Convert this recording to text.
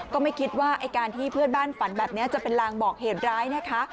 ก็ไม่คิดว่าไอ้การที่เพื่อนบ้านฝันแบบนี้จะเป็นลางบอกเหตุร้ายนะคะ